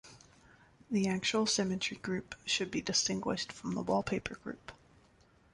The actual symmetry group should be distinguished from the wallpaper group.